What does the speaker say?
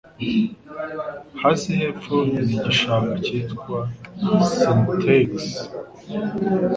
Hasi hepfo ni igishanga cyitwa Styx